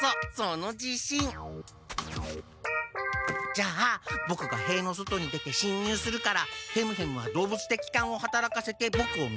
じゃあボクがへいの外に出てしんにゅうするからヘムへムはどうぶつてきかんをはたらかせてボクを見つけて。